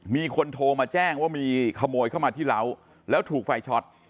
มีคนโทรมาแจ้งว่ามีขโมยชั้นมาที่ร้าวแล้วถูกไฟไชต์